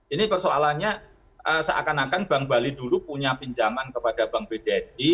ini persoalannya seakan akan bank bali dulu punya pinjaman kepada bank bdni